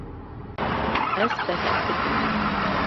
Ez berhev dikim.